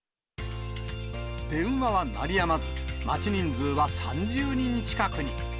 電話は鳴りやまず、待ち人数は３０人近くに。